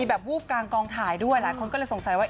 แบบวูบกลางกองถ่ายด้วยหลายคนก็เลยสงสัยว่า